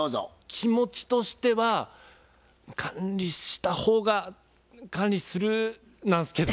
気持ちとしては管理した方が管理するなんすけど。